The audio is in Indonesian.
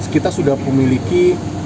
kita sudah memiliki